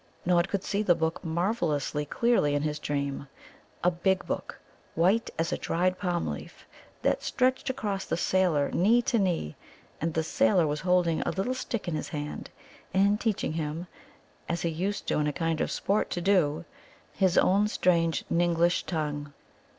Nod could see the book marvellously clearly in his dream a big book, white as a dried palm leaf, that stretched across the sailor knee to knee. And the sailor was holding a little stick in his hand, and teaching him, as he used in a kind of sport to do, his own strange "Ningllish" tongue.